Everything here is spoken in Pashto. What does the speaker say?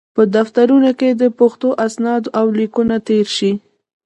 په دفترونو کې دې پښتو اسناد او لیکونه تېر شي.